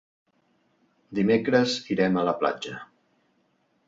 Dimecres irem a la platja.